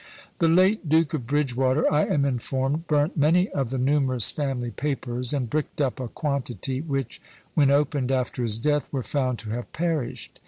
The late Duke of Bridgewater, I am informed, burnt many of the numerous family papers, and bricked up a quantity, which, when opened after his death, were found to have perished.